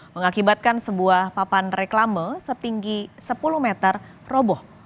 mengakibatkan sebuah papan reklame setinggi sepuluh meter roboh